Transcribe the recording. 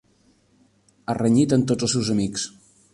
Ha renyit amb tots els seus amics.